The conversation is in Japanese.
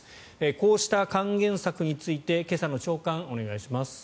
こうした還元策について今朝の朝刊お願いします。